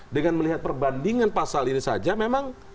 dengan melihat perbandingan pasal ini saja memang